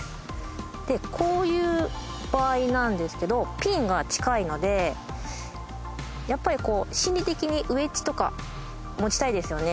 でこういう場合なんですけどピンが近いのでやっぱり心理的にウェッジとか持ちたいですよね。